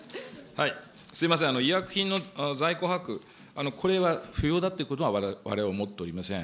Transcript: すみません、医薬品の在庫把握、これは不要だということは、われわれ思っておりません。